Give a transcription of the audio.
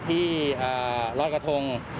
ที่ลอยกระทง